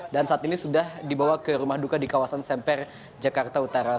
dan saat ini sudah dibawa ke rumah duka di kawasan semper jakarta utara